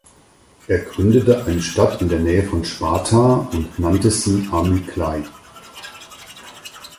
Er gründete eine Stadt in der Nähe von Sparta und nannte sie Amyklai.